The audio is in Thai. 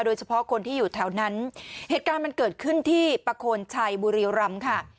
โดยเฉพาะคนที่อยู่แถวนั้นเหตุการณ์มันเกิดขึ้นที่ประโคนชัยบุรีรำค่ะ